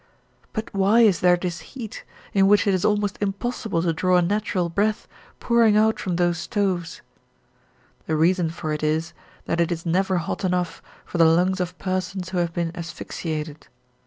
But why is there this heat, in which it is almost impossible to draw a natural breath, pouring out from those stoves? The reason for it is that it is never hot enough for the lungs of persons who have been asphyxiated.